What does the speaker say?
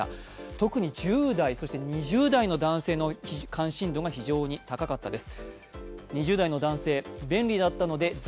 特に１０代、２０代の男性の関心度が非常に高かったです。